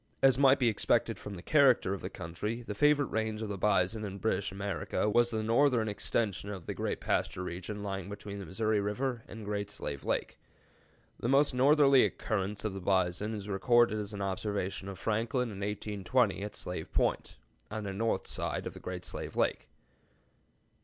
As might be expected from the character of the country, the favorite range of the bison in British America was the northern extension of the great pasture region lying between the Missouri River and Great Slave Lake. The most northerly occurrence of the bison is recorded as an observation of Franklin in 1820 at Slave Point, on the north side of Great Slave Lake.